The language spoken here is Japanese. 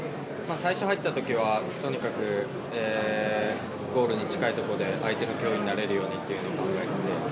最初、入った時はとにかくゴールに近いところで相手の脅威になれるようにって考えていて。